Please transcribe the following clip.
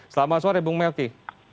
selamat sore bung melki